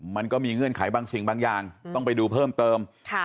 มันก็มีเงื่อนไขบางสิ่งบางอย่างต้องไปดูเพิ่มเติม